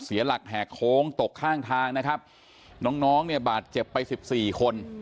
เสียหลักแหกโค้งตกข้างทางนะครับน้องน้องเนี่ยบาดเจ็บไปสิบสี่คน